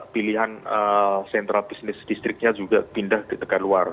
pilihan sentral bisnis distriksnya juga pindah di tegar luar